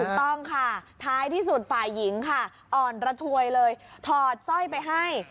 ถูกต้องค่ะท้ายที่สุดฝ่ายหญิงค่ะอ่อนระทวยเลยถอดสร้อยไปให้